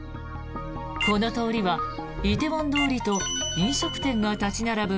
この通りは梨泰院通りと飲食店が立ち並ぶ